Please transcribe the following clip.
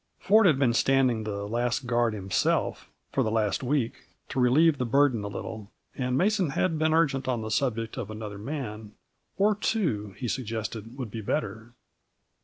Ford had been standing the last guard himself, for the last week, to relieve the burden a little, and Mason had been urgent on the subject of another man or two, he suggested, would be better.